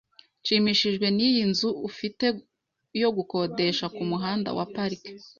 Nshimishijwe niyi nzu ufite yo gukodesha kumuhanda wa Park .